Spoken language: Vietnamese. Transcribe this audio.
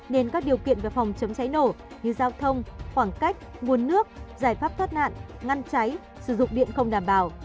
nên các điều kiện về phòng chống cháy nổ như giao thông khoảng cách nguồn nước giải pháp thoát nạn ngăn cháy sử dụng điện không đảm bảo